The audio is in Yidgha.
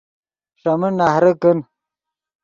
ݰے من نہرے کن